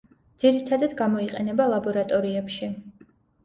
ძირითადათ გამოიყენება ლაბორატორიებში.